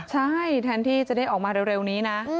ใช่แทนที่จะได้ออกมาเร็วนี้นะ